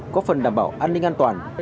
có phần đảm bảo an ninh an toàn